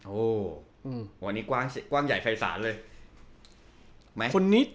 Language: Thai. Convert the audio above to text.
โอ้วันนี้กว้างใหญ่ไฟศาลเลย